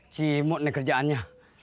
cimot nih kerjaannya